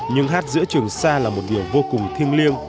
nhưng hát giữa trường sa là một điều vô cùng thiêng liêng